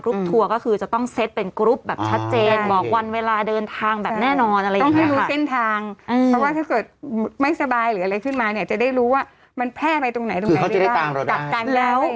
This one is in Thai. จะได้รู้ว่ามันแพร่ไปตรงไหนตรงไหนได้กัดกันแล้ว